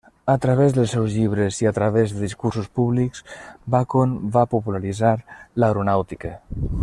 A través dels seus llibres, i a través de discursos públics, Bacon va popularitzar l'aeronàutica.